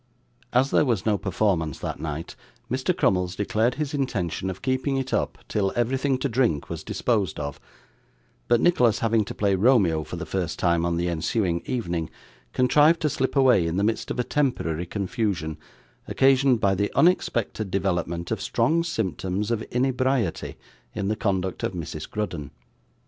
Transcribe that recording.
As there was no performance that night, Mr. Crummles declared his intention of keeping it up till everything to drink was disposed of; but Nicholas having to play Romeo for the first time on the ensuing evening, contrived to slip away in the midst of a temporary confusion, occasioned by the unexpected development of strong symptoms of inebriety in the conduct of Mrs. Grudden.